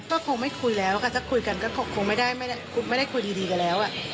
ก็คงไม่คุยแล้วค่ะถ้าคุยกันก็คงไม่ได้คุยดีกันแล้ว